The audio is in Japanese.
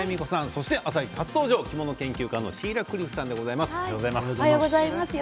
そして「あさイチ」初登場着物研究家のシーラ・クリフさんです。